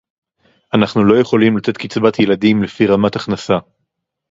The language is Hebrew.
אנחנו לא יכולים לתת קצבת ילדים לפי רמת הכנסה